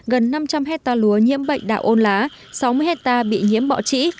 gần năm trăm linh hecta lúa nhiễm bệnh đạo ôn lá sáu mươi hecta bị nhiễm bọ trĩ